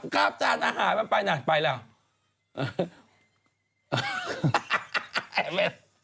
กลับจานอาหารมาไปน่ะไปแล้ว